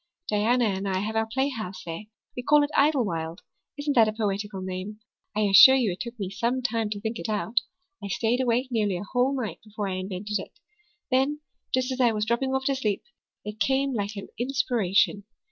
Diana and I have our playhouse there. We call it Idlewild. Isn't that a poetical name? I assure you it took me some time to think it out. I stayed awake nearly a whole night before I invented it. Then, just as I was dropping off to sleep, it came like an inspiration.